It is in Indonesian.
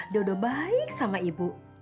dia udah baik sama ibu